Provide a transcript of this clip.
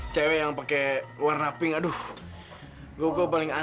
tau aneh lu